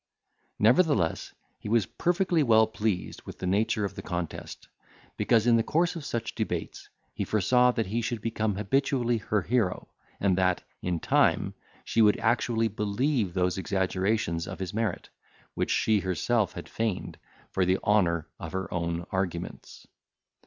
Nevertheless, he was perfectly well pleased with the nature of the contest; because, in the course of such debates, he foresaw that he should become habitually her hero, and that, in time, she would actually believe those exaggerations of his merit, which she herself had feigned, for the honour of her own arguments.